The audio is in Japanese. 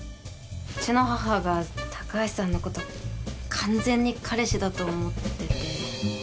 うちの母が高橋さんのこと完全に彼氏だと思ってて。